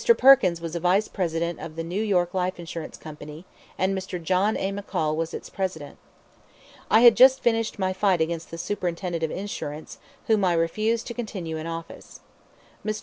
Perkins was a Vice President of the New York Life Insurance Company and Mr. John A. McCall was its President. I had just finished my fight against the Superintendent of Insurance, whom I refused to continue in office. Mr.